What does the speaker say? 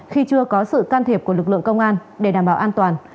khi chưa có sự can thiệp của lực lượng công an để đảm bảo an toàn